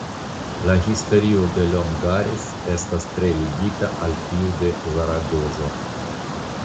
La historio de Longares estas tre ligita al tiu de Zaragozo.